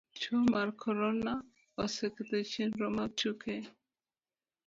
tuo mar corona oseketho chenro mag tuke